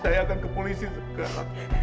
saya akan ke polisi sekarang